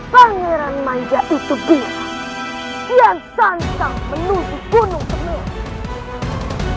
pangeran mahesa itu bilang kian santang menuju gunung penuh